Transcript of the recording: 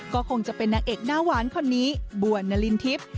ก็คงจะเป็นนางเอกหน้าหวานคนนี้บัวนารินทิพย์